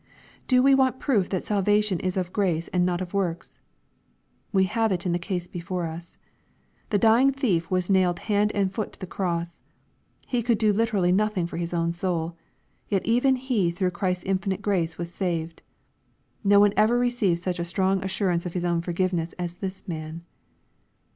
Do we want proof that salvation is of grace and not of works ? We have it in the case before us. The dving thief was nailed hand and foot to the cross. He could do literally nothing for his own soul. Yet even he through Christ's infinite grace was saved. No one ever received such a strong assurance of his own forgiveness as this man.